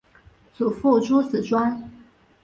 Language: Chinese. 祖父朱子庄。